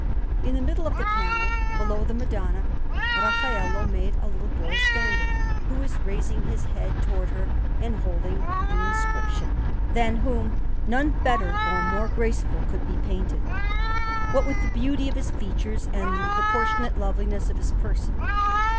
In the middle of the panel, below the Madonna, Raffaello made a little boy standing, who is raising his head towards her and holding an inscription: than whom none better or more graceful could be painted, what with the beauty of his features and the proportionate loveliness of his person.